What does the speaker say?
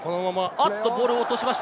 おっと、ボールを落としました。